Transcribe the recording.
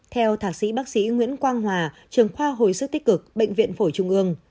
theo thạc sĩ bác sĩ nguyễn quang hòa trường khoa hồi sức tích cực bệnh viện phổi trung ương